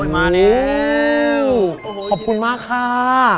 มาแล้วขอบคุณมากค่ะ